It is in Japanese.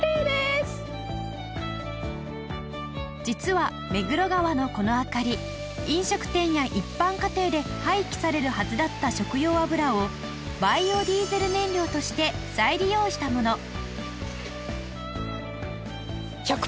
実は目黒川のこの明かり飲食店や一般家庭で廃棄されるはずだった食用油をバイオディーゼル燃料として再利用したもの